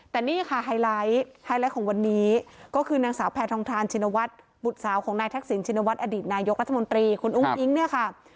แต่นี่ค่ะไฮไลท์ไฮไลท์ของวันนี้ก็คือนางสาวแพทองทานชินวัฒน์บุตรสาวของนายทักษิณชินวัฒนอดีตนายกรัฐมนตรีคุณอุ้งอิ๊งเนี่ยค่ะ